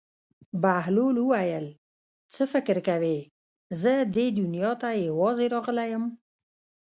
بهلول وویل: څه فکر کوې زه دې دنیا ته یوازې راغلی یم.